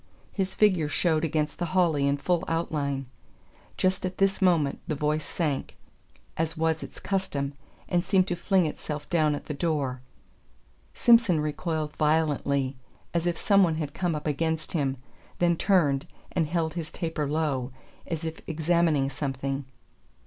His figure showed against the holly in full outline. Just at this moment the voice sank, as was its custom, and seemed to fling itself down at the door. Simson recoiled violently, as if some one had come up against him, then turned, and held his taper low, as if examining something.